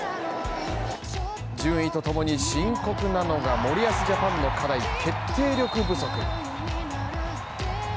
順位と共に深刻なのが森保ジャパンから決定力不足。